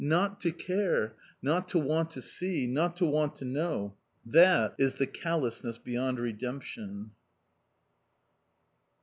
Not to care, not to want to see, not to want to know, that is the callousness beyond redemption!